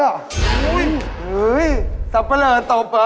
โอ๊ยสับเปล่าตบเหรอ